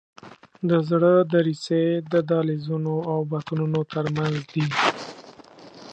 د زړه دریڅې د دهلیزونو او بطنونو تر منځ دي.